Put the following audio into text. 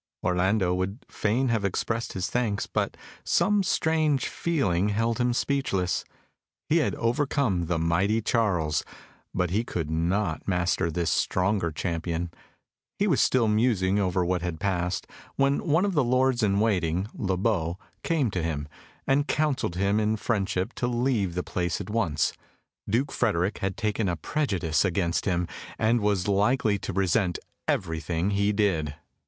Orlando would fain have expressed his thanks, but some strange feeling held him speechless. He had overcome the mighty Charles, but he could not master this stronger champion. He was still musing over what had passed, when one of the lords in waiting, Le Beau, came to him, and counselled him in friendship to leave the place at once. Duke Frederick had taken a prejudice against him, and was likely to resent everything he did.